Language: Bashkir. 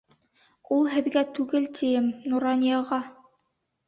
Ул һеҙгә түгел, тием, Нуранияға.